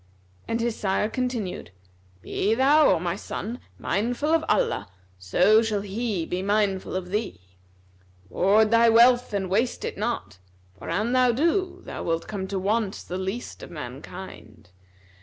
And his sire continued, "Be thou, O my son, mindful of Allah, so shall He be mindful of thee. Ward thy wealth and waste it not; for an thou do, thou wilt come to want the least of mankind.